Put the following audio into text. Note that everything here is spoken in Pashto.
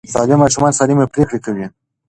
سالم ماشومان سالمې پرېکړې کوي.